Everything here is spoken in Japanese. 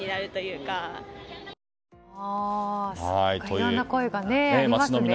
いろんな声がありますね。